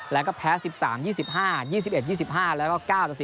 แล้วก็แพ้๑๓๒๕๒๑๒๕แล้วก็๙ต่อ๔